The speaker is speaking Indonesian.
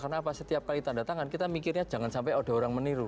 karena setiap kali tanda tangan kita mikirnya jangan sampai ada orang yang meniru